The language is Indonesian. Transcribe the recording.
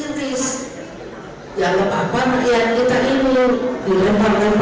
yang diselenggarakan di salah satu restoran di buncit raya jakarta selatan